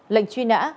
lệnh truy nã